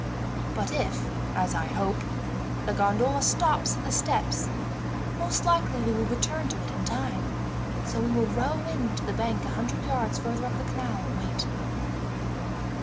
"But if, as I hope, the gondola stops at the steps, most likely they will return to it in time. So we will row in to the bank a hundred yards farther up the canal and wait."